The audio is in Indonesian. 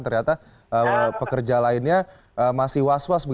ternyata pekerja lainnya masih was was